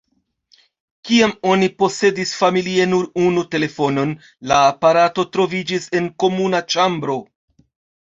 Kiam oni posedis familie nur unu telefonon, la aparato troviĝis en komuna ĉambro.